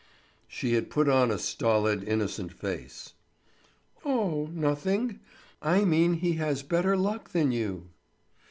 She had put on a stolid, innocent face. "O—h, nothing. I mean he has better luck than you."